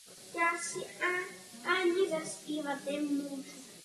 Zároveň je třeba vyjasnit během vyjednávání několik otázek.